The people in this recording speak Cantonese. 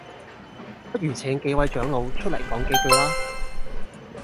不如請幾位長老出嚟講幾句啦